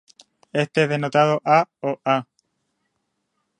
Este es denotado "A" o "A".